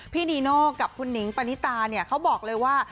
นีโน่กับคุณหิงปณิตาเนี่ยเขาบอกเลยว่า